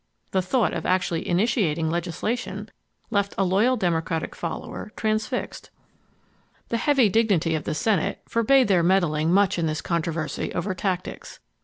The thought of actually initiating legislation left a loyal Demo cratic follower transfixed. The heavy dignity of the Senate forbade their meddling much in this controversy over tactics.